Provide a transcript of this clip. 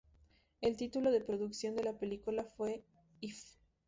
El título de producción de la película fue "If".